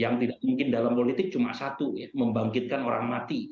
yang tidak mungkin dalam politik cuma satu ya membangkitkan orang mati